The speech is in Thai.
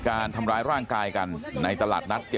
แล้วป้าไปติดหัวมันเมื่อกี้แล้วป้าไปติดหัวมันเมื่อกี้